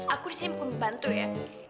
aku disini membantu ya